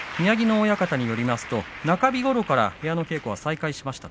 宮城野親方によりますと中日ごろから部屋の稽古は再開しました。